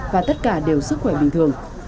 và tất cả đều sức khỏe bình thường